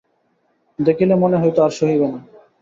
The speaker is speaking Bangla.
দেখিলে মনে হইত আর সহিবে না।